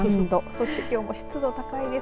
そしてきょうも湿度が高いです。